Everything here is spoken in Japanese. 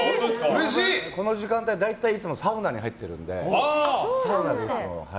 この時間大体いつもサウナに入っているので。